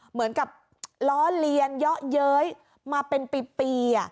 เหมือนกับล้อเลียนเยาะเย้ยมาเป็นปี